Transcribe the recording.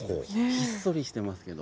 ひっそりしてますけど。